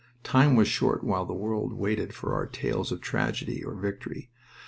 Time was short while the world waited for our tales of tragedy or victory...